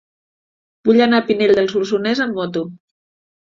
Vull anar a Pinell de Solsonès amb moto.